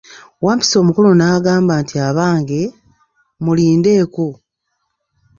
Wampisi omukulu n'agamba nti, abange, mulindeko.